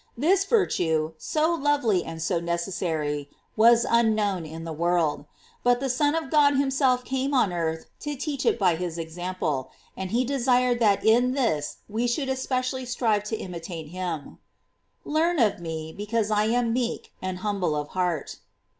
* This virtue, so lovely and so nec essary, was unknown in the world; but the Son of God himself came on earth to teach it by his example, and he desired that in this we should especially strive to imitate him: "Learn of me, because I am meek and humble of heart."